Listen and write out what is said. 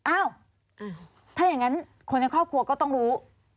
อ้าวถ้าอย่างนั้นคนในครอบครัวก็ต้องรู้